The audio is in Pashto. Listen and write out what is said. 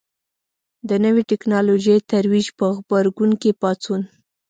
د نوې ټکنالوژۍ ترویج په غبرګون کې پاڅون.